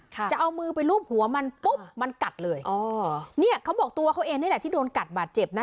จะเอามือไปรูปหัวมันปุ๊บมันกัดเลยอ๋อเนี่ยเขาบอกตัวเขาเองนี่แหละที่โดนกัดบาดเจ็บนะ